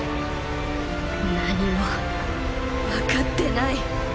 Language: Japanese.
何も分かってない！